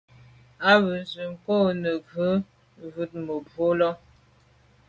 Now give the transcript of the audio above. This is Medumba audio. À be z’o kô neghù wut mebwô là.